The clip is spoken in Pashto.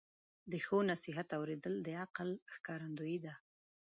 د ښو نصیحت اوریدل د عقل ښکارندویي ده.